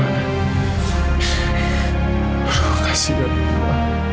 kasian oma kasian oma